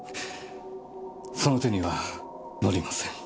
その手にはのりません。